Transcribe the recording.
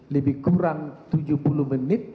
lebih kurang tujuh puluh menit